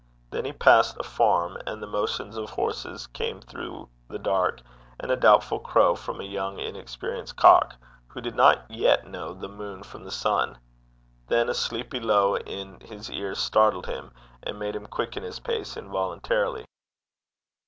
Then he passed a farm, and the motions of horses came through the dark, and a doubtful crow from a young inexperienced cock, who did not yet know the moon from the sun. Then a sleepy low in his ear startled him, and made him quicken his pace involuntarily.